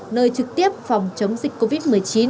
nơi trực tiếp phòng chống dịch covid một mươi chín